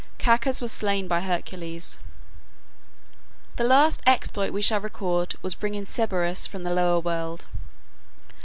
Cacus was slain by Hercules. The last exploit we shall record was bringing Cerberus from the lower world.